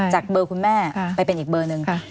จากเบอร์คุณแม่ไปเป็นอีกเบอร์หนึ่ง